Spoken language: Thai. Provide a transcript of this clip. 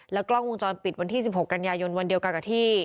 กล้องวงจรปิดวันที่๑๖กันยายนวันเดียวกันกับที่